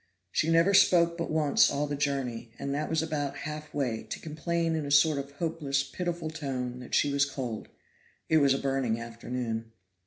She never spoke but once all the journey, and that was about half way, to complain in a sort of hopeless, pitiful tone that she was cold. It was a burning afternoon.